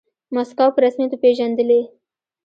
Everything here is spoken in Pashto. موسکو په رسميت وپیژندلې.